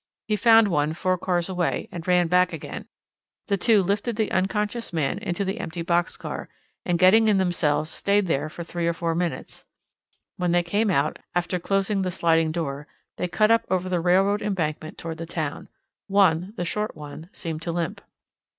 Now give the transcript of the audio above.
He found one four cars away and ran back again. The two lifted the unconscious man into the empty box car, and, getting in themselves, stayed for three or four minutes. When they came out, after closing the sliding door, they cut up over the railroad embankment toward the town. One, the short one, seemed to limp.